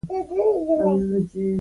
پاکستان د پښتنو حقوق نه مني او تېری کوي.